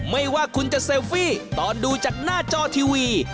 ไม่ว่าคุณจะเซลฟี่ตอนดูจากหน้าจอทีวี